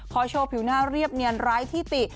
โชว์ผิวหน้าเรียบเนียนไร้ที่ติ